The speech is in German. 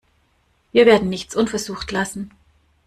Wir werden nichts unversucht lassen.